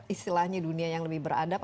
istilahnya dunia yang lebih beradab